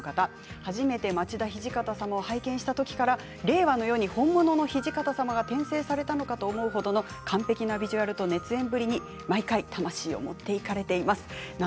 初めて町田土方様を拝見したときから映画のように本物の土方様が転生されたのかと思うほどのビジュアルと熱演ぶりに毎回魂を持っていかれています。